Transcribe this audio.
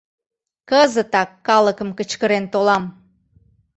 Кызытак калыкым кычкырен толам...